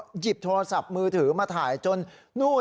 แล้วก็เรียกเพื่อนมาอีก๓ลำ